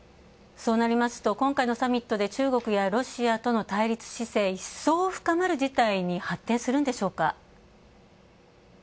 そうなりますと今回のサミットで中国やロシアとの対立姿勢、一層深まる事態に発展するんでしょうか？